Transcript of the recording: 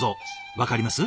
分かります？